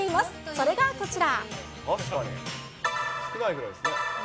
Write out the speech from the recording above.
それがこちら。